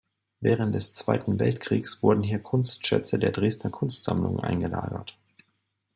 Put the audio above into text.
Während des Zweiten Weltkrieges wurden hier Kunstschätze der Dresdner Kunstsammlungen eingelagert.